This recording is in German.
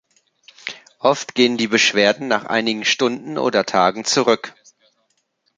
Oft gehen die Beschwerden nach einigen Stunden oder Tagen zurück.